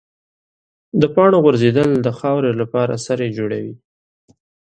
د پاڼو غورځېدل د خاورې لپاره سرې جوړوي.